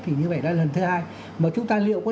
thì như vậy đã lần thứ hai mà chúng ta liệu có